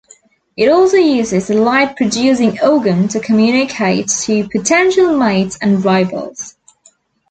It also uses the light producing organ to communicate to potential mates and rivals.